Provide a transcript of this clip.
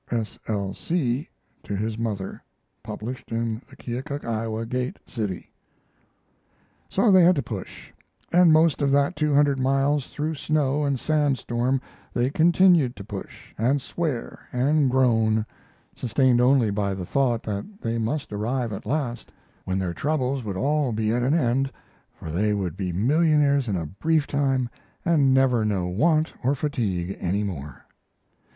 [S. L. C. to his mother. Published in the Keokuk (Iowa) Gate city.] So they had to push, and most of that two hundred miles through snow and sand storm they continued to push and swear and groan, sustained only by the thought that they must arrive at last, when their troubles would all be at an end, for they would be millionaires in a brief time and never know want or fatigue any more.